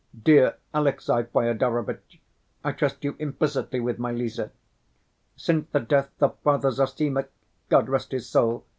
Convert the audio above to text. Dear Alexey Fyodorovitch, I trust you implicitly with my Lise. Since the death of Father Zossima—God rest his soul!"